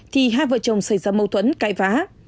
thì hai vợ chồng xảy ra mâu thuẫn cãi vã